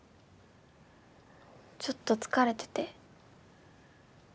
ちょっと疲れてて。